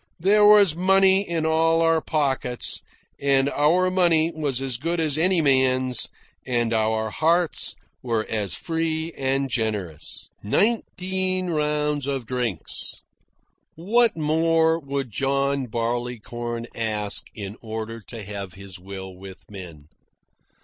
There was money in all our pockets, and our money was as good as any man's, and our hearts were as free and generous. Nineteen rounds of drinks. What more would John Barleycorn ask in order to have his will with men?